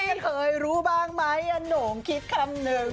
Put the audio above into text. ไม่เคยรู้บ้างไหมอนงคิดคำหนึ่ง